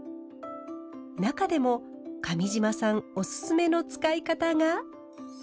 中でも上島さんオススメの使い方が。